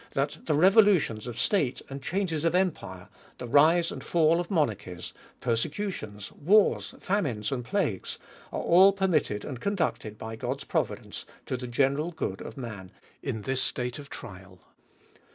That the revo lutions .of state, and changes of empire, the rise and DEVOUT AND HOLY LIFE. 315 fall of monarchies, persecutions, wars, famines, and plagues, are all permitted, and conducted by God's providence, to the general good of man in this state of trial.